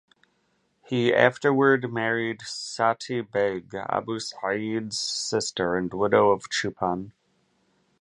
He afterward married Sati Beg, Abu Sa'id's sister and widow of Chupan.